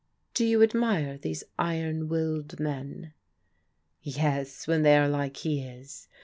" Do you admire these * iron willed ' men? '*" Yes, when they are like he is.